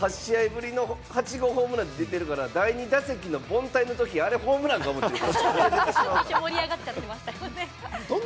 ８試合ぶりの８号ホームランって出てるから、第２打席の凡退のときにホームランかと思った。